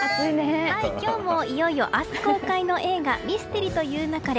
今日も、いよいよ明日公開の映画「ミステリと言う勿れ」